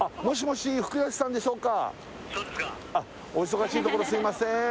あっお忙しいところすいません